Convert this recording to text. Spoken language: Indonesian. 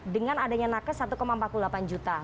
dengan adanya nakes satu empat puluh delapan juta